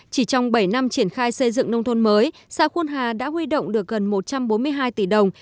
chỉ trong bảy năm triển khai xây dựng nông thôn mới xã khuôn hà đã huy động được gần một trăm bốn mươi hai tỷ đồng